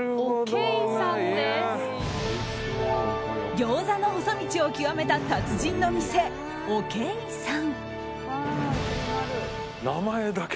餃子の細道を極めた達人の店おけ以さん。